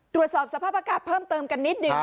ตรวจสอบสภาพอากาศเพิ่มเติมกันนิดหนึ่ง